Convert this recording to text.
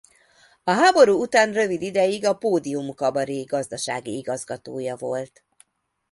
A háború után rövid ideig a Pódium Kabaré gazdasági igazgatója volt.